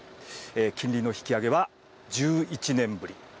金利の引き上げは１１年ぶり。